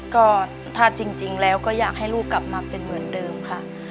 ก็ถ้าจริงแล้วก็อยากให้ลูกกลับมาเป็นเหมือนเดิมค่ะ